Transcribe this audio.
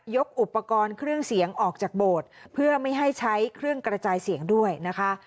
อุปกรณ์เครื่องเสียงออกจากโบสถ์เพื่อไม่ให้ใช้เครื่องกระจายเสียงด้วยนะคะ